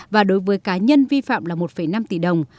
và đối với cá nhân vi phạm là một năm tỷ đồng